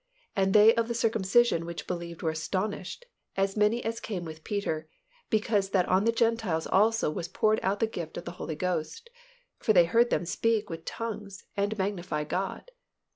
And they of the circumcision which believed were astonished, as many as came with Peter, because that on the Gentiles also was poured out the gift of the Holy Ghost. For they heard them speak with tongues, and magnify God."